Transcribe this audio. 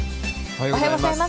おはようございます。